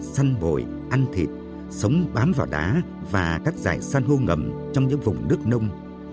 săn bồi ăn thịt sống bám vào đá và các dải săn hô ngầm trong những vùng nước nông